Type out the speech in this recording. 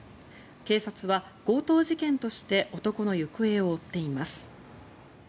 警察は強盗事件として男の行方を追っています。